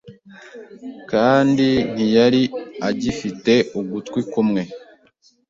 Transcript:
Kandi ntiyari agifite ugutwi kumwe